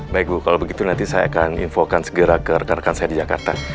baik bu kalau begitu nanti saya akan infokan segera ke rekan rekan saya di jakarta